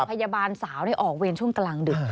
พยาบาลสาวออกเวรช่วงกลางดึก